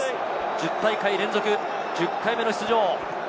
１０大会連続１０回目の出場。